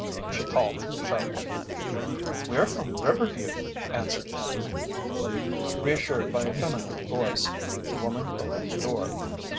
she called sharply. "We're from Riverview," answered Penny. Reassured by a feminine voice, the woman opened the door.